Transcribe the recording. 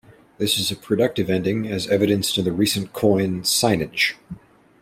This is a productive ending, as evidenced in the recent coin, "signage".